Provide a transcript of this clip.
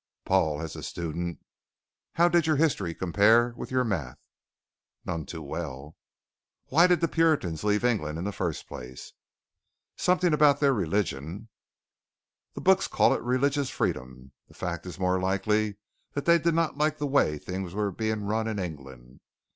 "Paul, as a student, how did your history compare with your math?" "None too well." "Why did the Puritans leave England in the first place?" "Something about their religion." "The books call it religious freedom. The fact is more likely that they did not like the way things were being run in England.